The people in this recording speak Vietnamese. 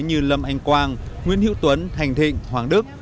như lâm anh quang nguyễn hữu tuấn thành thịnh hoàng đức